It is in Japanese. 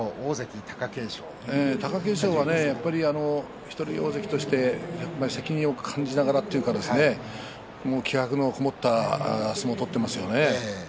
貴景勝は１人大関として責任を感じながらというかですね気迫のこもった相撲を取っていますよね。